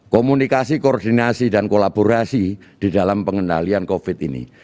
komunikasi koordinasi dan kolaborasi di dalam pengendalian covid ini